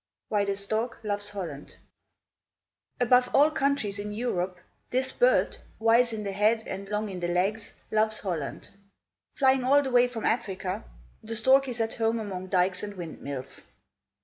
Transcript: WHY THE STORK LOVES HOLLAND Above all countries in Europe, this bird, wise in the head and long in the legs, loves Holland. Flying all the way from Africa, the stork is at home among dykes and windmills.